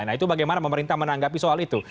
nah itu bagaimana pemerintah menanggapi soal itu